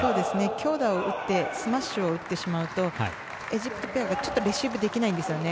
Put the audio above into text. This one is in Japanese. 強打を打ってスマッシュを打ってしまうとエジプトペアがちょっとレシーブできないんですよね。